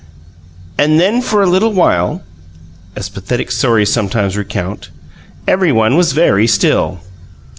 "And then for a little while," as pathetic stories sometimes recount, "everything was very still."